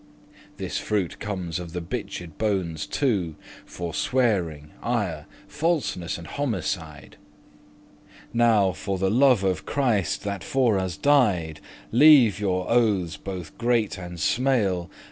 This fruit comes of the *bicched bones two,* *two cursed bones (dice)* Forswearing, ire, falseness, and homicide. Now, for the love of Christ that for us died, Leave your oathes, bothe great and smale.